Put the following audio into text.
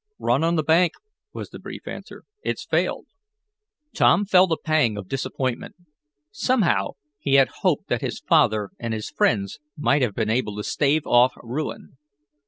"Run on the bank," was the brief answer. "It's failed." Tom felt a pang of disappointment. Somehow, he had hoped that his father and his friends might have been able to stave off ruin.